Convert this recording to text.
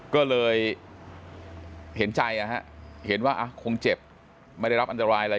ก็เลยเห็นใจเห็นว่าคงเจ็บไม่ได้รับอันตรายอะไร